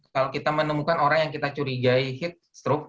kalau kita menemukan orang yang kita curigai heat stroke